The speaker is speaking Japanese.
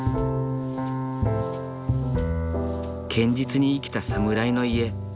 堅実に生きた侍の家。